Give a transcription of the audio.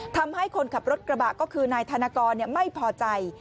ทำให้คนขับรถกระบะก็คือนายธนกรไม่พอใจ